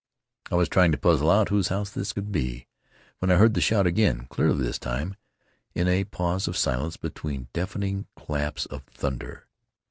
I was trying to puzzle out whose house this could be when I heard the shout again, clearly this time, in a pause of silence between deafening claps of thun der.